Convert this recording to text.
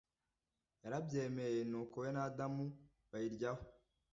yarabyemeye, nuko we na Adamu bayiryaho.